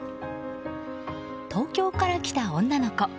東京から来た女の子。